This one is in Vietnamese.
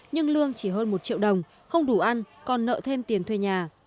nhưng lương chỉ hơn một triệu đồng không đủ ăn còn nợ thêm tiền thuê nhà